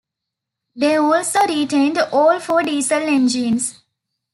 They also retained all four diesel engines.